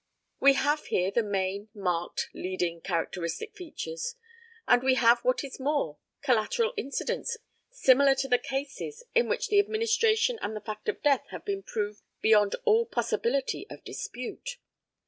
We have here the main, marked, leading, characteristic features; and we have what is more, collateral incidents, similar to the cases in which the administration and the fact of death have been proved beyond all possibility of dispute.